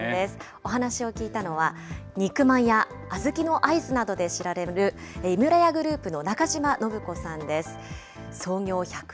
お話を聞いたのは、肉まんやあずきのアイスなどで知られる井村屋グループの中島伸子さんです。